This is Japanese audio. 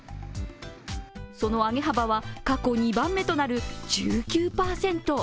その上げ幅は過去２番目となる１９％。